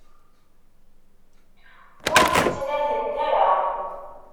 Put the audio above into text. Ur t-ttnalent ara.